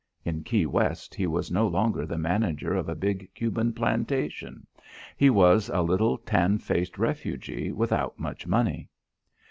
In Key West, he was no longer the manager of a big Cuban plantation; he was a little tan faced refugee without much money.